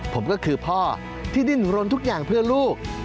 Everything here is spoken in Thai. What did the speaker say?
ผมก็คือพ่อที่ดิ้นรนทุกอย่างเพื่อลูก